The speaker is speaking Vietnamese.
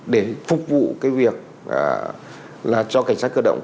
để phục vụ cái việc là cho cảnh sát cơ động